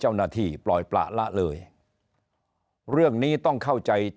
นายกรัฐมนตรีพูดเรื่องการปราบเด็กแว่นนายกรัฐมนตรีพูดเรื่องการปราบเด็กแว่น